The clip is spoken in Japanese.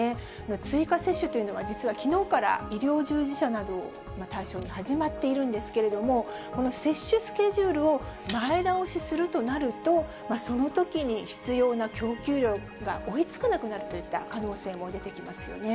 追加接種というのは、実はきのうから医療従事者などを対象に始まっているんですけれども、この接種スケジュールを前倒しするとなると、そのときに必要な供給量が追いつかなくなるといった可能性も出てきますよね。